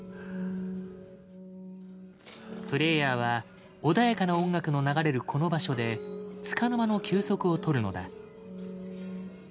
プレイヤーは穏やかな音楽の流れるこの場所でつかの間の休息を取るのだ。